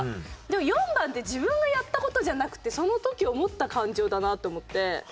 でも４番って自分がやった事じゃなくてその時思った感情だなって思って。